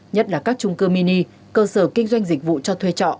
nhất là các trung cư mini cơ sở kinh doanh dịch vụ cho thuê trọ